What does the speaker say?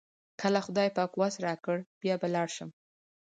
کله خدای پاک وس راکړ بیا به لاړ شم.